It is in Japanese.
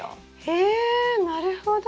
へえなるほど。